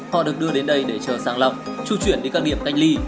họ được đưa đến đây để chờ sang lòng tru chuyển đến các điểm canh ly